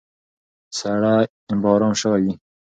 سړی به ارام شوی وي.